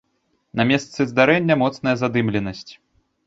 На месцы здарэння моцная задымленасць.